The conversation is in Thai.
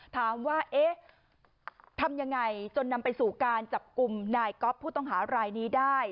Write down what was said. ถามว่าเอ๊ะทำยังไงจนนำไปสู่การจับกลุ่มนายก๊อฟผู้ต้องหารายนี้ได้